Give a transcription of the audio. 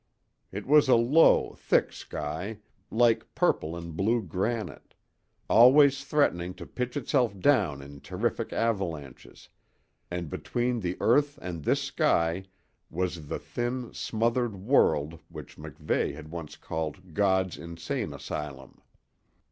It was a low, thick sky, like purple and blue granite, always threatening to pitch itself down in terrific avalanches, and between the earth and this sky was the thin, smothered world which MacVeigh had once called God's insane asylum.